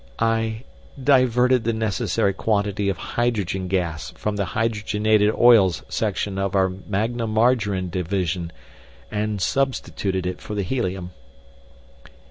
I diverted the necessary quantity of hydrogen gas from the Hydrogenated Oils Section of our Magna Margarine Division and substituted it for the helium."